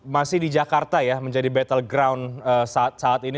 masih di jakarta ya menjadi battle ground saat ini